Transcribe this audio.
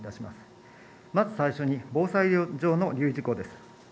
まず最初に防災上の留意事項です。